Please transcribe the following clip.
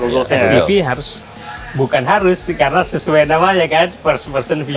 google fvv harus bukan harus karena sesuai namanya kan first person view